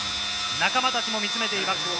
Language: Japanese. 仲間たちも見つめています。